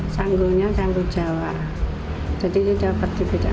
sanggulnya sanggul jawa jadi tidak berbeda beda